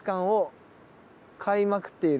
「かいまくってる」？